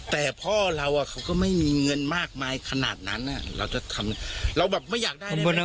แต่พ่อเราอ่ะเขาก็ไม่มีเงินมากมายขนาดนั้นอ่ะเราจะทำเราแบบไม่อยากได้